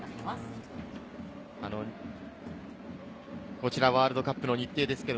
こちらワールドカップの日程です。